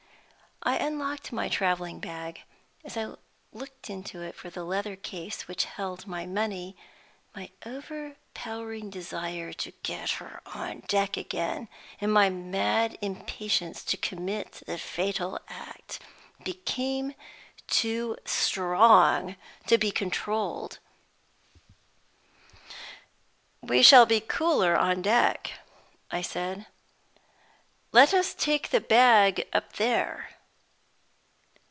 I unlocked my traveling bag. As I looked into it for the leather case which held my money, my overpowering desire to get her on deck again, my mad impatience to commit the fatal act, became too strong to be controlled. "We shall be cooler on deck," I said. "Let us take the bag up there."